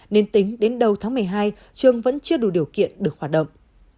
nên tính đến đầu tháng một mươi hai trường vẫn chưa đủ điều kiện được hoạt động